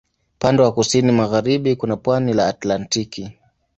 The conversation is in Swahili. Upande wa kusini magharibi kuna pwani la Atlantiki.